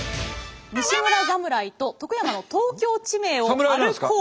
「西村侍と徳山の東京地名を歩こう」。